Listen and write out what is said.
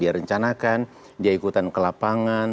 dia rencanakan dia ikutan ke lapangan